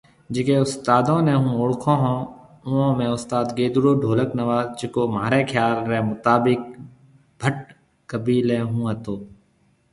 جڪي استادون ني هون اوڙکون ھوناوئون ۾ استاد گيدُوڙو ڍولڪ نواز جڪو ماهري خيال ري مطابق ڀٽ قبيلي ھونهتو